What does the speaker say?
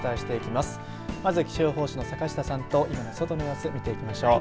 まず気象予報士の坂下さんと外の様子を見ていきましょう。